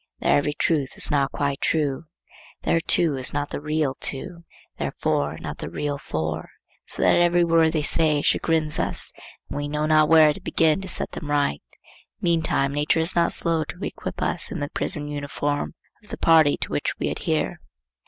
Their every truth is not quite true. Their two is not the real two, their four not the real four; so that every word they say chagrins us and we know not where to begin to set them right. Meantime nature is not slow to equip us in the prison uniform of the party to which we adhere.